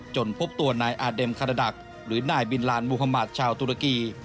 จนพบตัวนายอาเด็มขระดักษ์หรือนายบิลลานมุหมาศชาวตุรกี